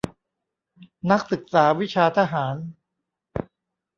นักศึกษาวิชาทหาร